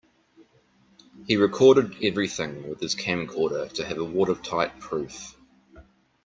He recorded everything with his camcorder to have a watertight proof.